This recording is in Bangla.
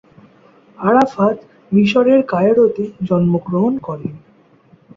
আরাফাত মিশরের কায়রোতে জন্মগ্রহণ করেন।